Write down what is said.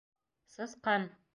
Сысҡан.